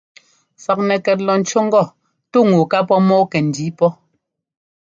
Saknɛkɛt lɔ ńcú ŋgɔ: «tú ŋu ká pɔ́ mɔ́ɔ kɛndǐi pɔ́».